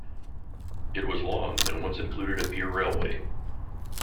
It was long and once included a pier railway.